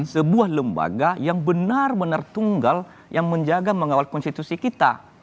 sebuah lembaga yang benar benar tunggal yang menjaga mengawal konstitusi kita